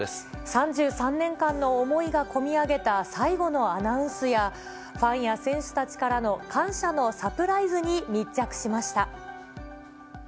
３３年間の思いが込み上げた最後のアナウンスや、ファンや選手たちからの感謝のサプライズに密着しました。